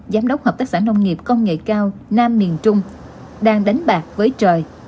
giám đốc hợp tác xã nông nghiệp công nghệ cao nam miền trung đang đánh bạc với trời